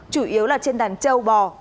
chủ yếu là trên đàn châu bò